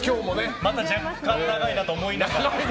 また若干長いなと思いながら。